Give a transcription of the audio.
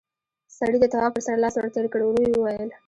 سړي د تواب پر سر لاس ور تېر کړ، ورو يې وويل: